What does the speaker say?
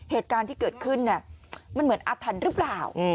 เหตุการณ์ที่เกิดขึ้นเนี่ยมันเหมือนอัฒนรึเปล่า